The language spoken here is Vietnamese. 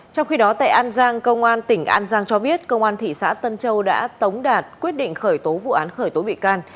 trong khi đó tại an giang công an tỉnh an giang cho biết công an thị xã tân châu đã tống đạt quyết định khởi tố vụ án khởi tố bị can